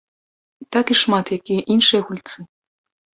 Так і шмат якія іншыя гульцы.